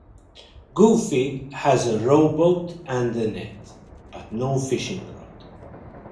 Goofy has a row boat and a net, but no fishing rod.